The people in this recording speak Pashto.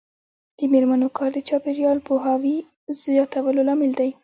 د میرمنو کار د چاپیریال پوهاوي زیاتولو لامل دی.